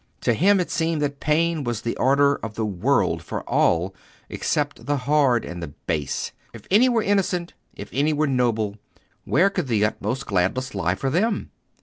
To him it seemed that pain was the order of the world for all except the hard and base. If any were innocent, if any were noble, where could the utmost gladness lie for them?